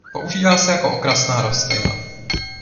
Používá se jako okrasná rostlina.